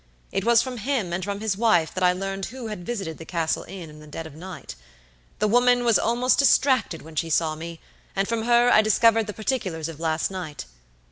It was from him and from his wife that I learned who had visited the Castle Inn in the dead of the night. The woman was almost distracted when she saw me, and from her I discovered the particulars of last night.